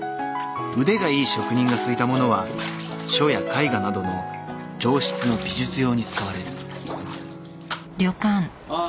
腕がいい職人がすいたものは書や絵画などの上質の美術用に使われる］ああ。